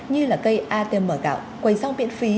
như là cây atm gạo quầy rong miễn phí